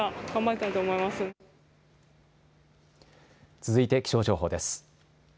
続いて気象情報です。